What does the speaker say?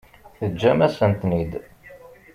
Teǧǧam-asen-ten-id.